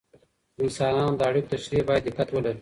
د انسانانو د اړیکو تشریح باید دقت ولري.